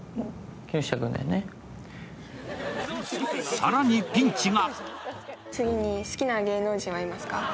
更にピンチが。